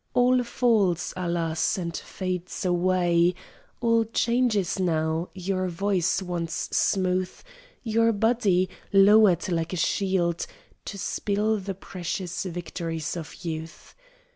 All falls, alas, and fades away, All changes now: your voice once smooth, Your body, lowered like a shield To spill the precious victories of youth.